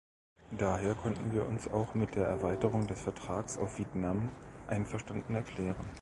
Daher konnten wir uns auch mit der Erweiterung des Vertrags auf Vietnam einverstanden erklären.